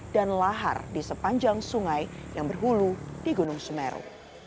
dan lahar di sepanjang sungai yang berhulu di gunung semeru